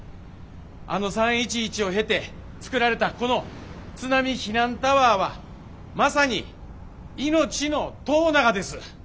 あの３．１１を経て造られたこの津波避難タワーはまさに命の塔ながです。